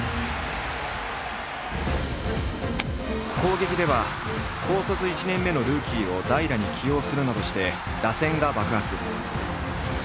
攻撃では高卒１年目のルーキーを代打に起用するなどして打線が爆発。